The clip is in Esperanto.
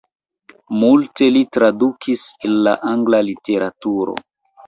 Multe li tradukis el la angla literaturo.